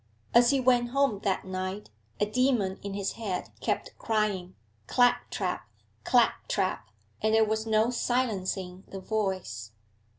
As he went home that night, a demon in his head kept crying 'Clap trap! clap trap!' and there was no silencing the voice.